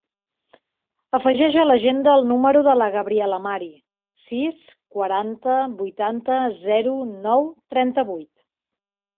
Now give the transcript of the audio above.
Afegeix a l'agenda el número de la Gabriela Mari: sis, quaranta, vuitanta, zero, nou, trenta-vuit.